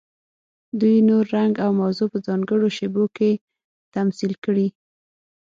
دوی نور، رنګ او موضوع په ځانګړو شیبو کې تمثیل کړي.